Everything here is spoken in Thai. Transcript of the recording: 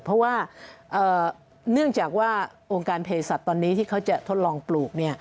เพราะว่าเนื่องจากว่าองค์การเพศสัตว์ตอนนี้ที่เขาจะทดลองปลูก